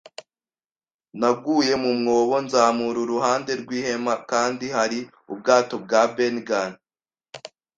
Naguye mu mwobo, nzamura uruhande rw'ihema, kandi hari ubwato bwa Ben Gunn